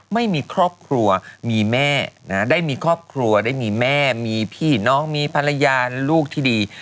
ไม่มีครอบครัวมีแม่นะได้มีครอบครัวได้มีแม่มีพี่น้องมีภรรยาลูกที่ดี